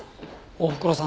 おふくろさん